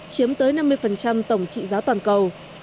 chiếm tới năm mươi tổng trị giá toàn cầu